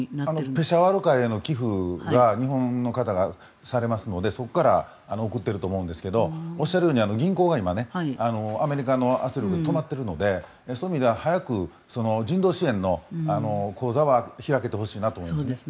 ペシャワール会への寄付が日本の方がされますのでそこから送っていると思うんですがおっしゃるように銀行が今、アメリカの圧力で止まっているのでそういう意味では早く人道支援の口座は開けてほしいなと思います。